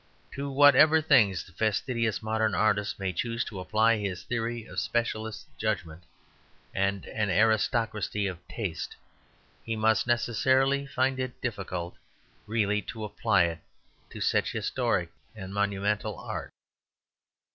To whatever things the fastidious modern artist may choose to apply his theory of specialist judgment, and an aristocracy of taste, he must necessarily find it difficult really to apply it to such historic and monumental art.